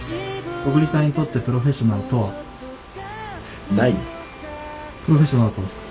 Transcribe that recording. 小栗さんにとってプロフェッショナルとは。ないよ。